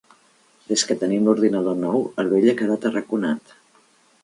Des que tenim l'ordinador nou, el vell ha quedat arraconat.